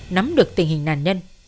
nắm được tình hình nạn nhân